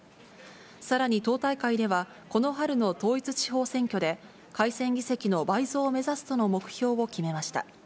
さらに党大会では、この春の統一地方選挙で、改選議席の倍増を目指すとの目標を決めました。